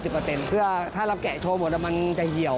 เพื่อถ้าเราแกะโชว์หมดมันจะเหี่ยว